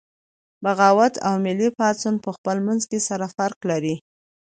بغاوت او ملي پاڅون پخپل منځ کې سره فرق لري